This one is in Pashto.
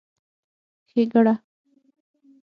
ښېګړه